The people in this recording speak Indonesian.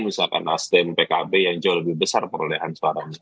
misalkan nasdem pkb yang jauh lebih besar perolehan suaranya